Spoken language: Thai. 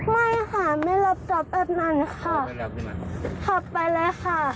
ไม่ค่ะไม่รับจอบแบบนั้นค่ะขับไปเลยค่ะ